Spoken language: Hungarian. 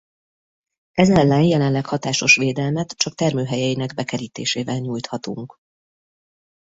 Ez ellen jelenleg hatásos védelmet csak termőhelyeinek bekerítésével nyújthatunk.